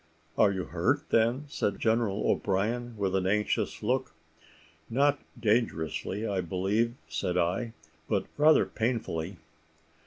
"Are you hurt, then?" said General O'Brien, with an anxious look. "Not dangerously, I believe," said I, "but rather painfully."